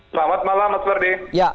selamat malam mas berdi